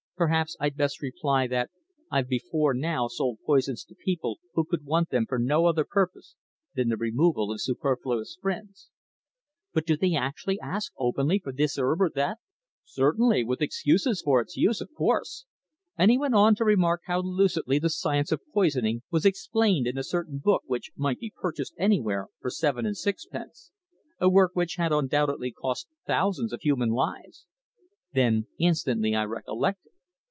"Perhaps I'd best reply that I've before now sold poisons to people who could want them for no other purpose than the removal of superfluous friends." "But do they actually ask openly for this herb or that?" "Certainly with excuses for its use, of course," and he went on to remark how lucidly the science of poisoning was explained in a certain book which might be purchased anywhere for seven and sixpence, a work which had undoubtedly cost thousands of human lives. Then instantly I recollected.